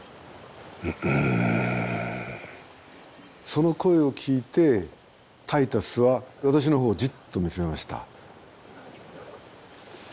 その声を聞いてタイタスは私のほうをじっと見つめました。